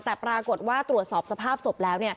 แต่ปรากฏว่าตรวจสอบสภาพศพแล้ว